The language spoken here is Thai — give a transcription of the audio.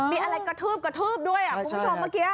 มีอะไรกระทืบกระทืบด้วยคุณผู้ชมเมื่อกี้